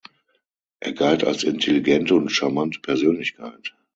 Er galt als intelligente und charmante Persönlichkeit.